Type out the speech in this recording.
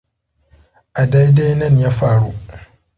A daidai nan ya faru.